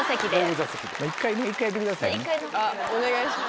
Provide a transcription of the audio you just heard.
お願いします。